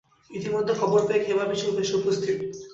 ইতিমধ্যে খবর পেয়ে ক্ষেমাপিসি এসে উপস্থিত।